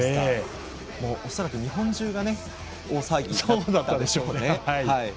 恐らく日本中が大騒ぎだったでしょうね。